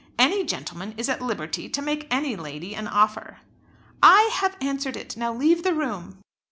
"Any gentleman is at liberty to make any lady an offer." "I have answered it. Now leave the room."